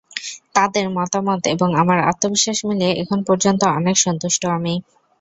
তাঁদের মতামত এবং আমার আত্মবিশ্বাস মিলিয়ে এখন পর্যন্ত অনেক সন্তুষ্ট আমি।